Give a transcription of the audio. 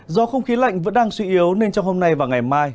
do không khí lạnh vẫn đang suy yếu nên trong hôm nay và ngày mai